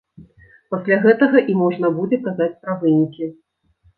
Пасля гэтага і можна будзе казаць пра вынікі.